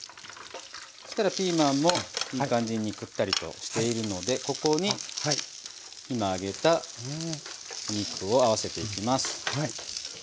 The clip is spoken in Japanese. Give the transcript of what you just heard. そしたらピーマンもいい感じにくったりとしているのでここに今揚げた肉を合わせていきます。